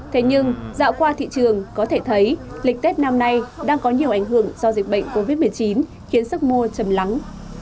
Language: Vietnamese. thế nhưng dạo qua thị trường có thể thấy lịch tết năm nay đang có nhiều ảnh hưởng do dịch bệnh covid một mươi chín khiến sức mua chầm lắng